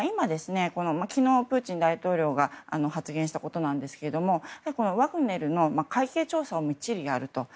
昨日プーチン大統領が発言したことなんですけどもワグネルの会計調査にも一理あると。